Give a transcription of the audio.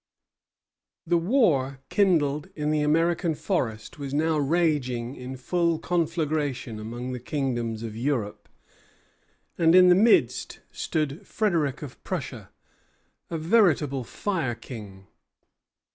The war kindled in the American forest was now raging in full conflagration among the kingdoms of Europe; and in the midst stood Frederic of Prussia, a veritable fire king.